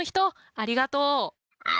ありがとう。